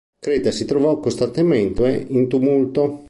Creta si trovò costantemente in tumulto.